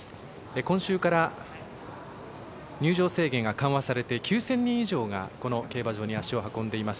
今週から入場制限が緩和されて９０００人以上が、この競馬場に足を運んでいます。